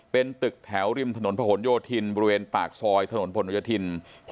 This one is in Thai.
เป็นตึกแถวริมถนนพะหนโยธินบริเวณปากซอยถนนผลโยธิน